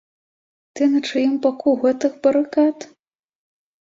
Ты на чыім баку гэтых барыкад?